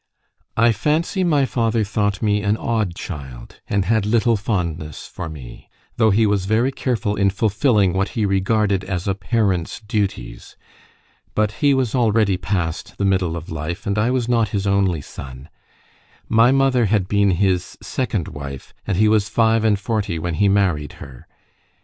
I fancy my father thought me an odd child, and had little fondness for me; though he was very careful in fulfilling what he regarded as a parent's duties. But he was already past the middle of life, and I was not his only son. My mother had been his second wife, and he was five and forty when he married her.